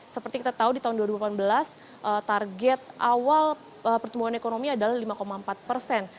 seperti kita tahu di tahun dua ribu delapan belas target awal pertumbuhan ekonomi adalah lima empat persen